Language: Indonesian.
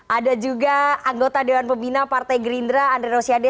ada juga anggota dewan pembina partai gerindra andre rosiade